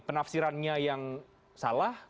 penafsirannya yang salah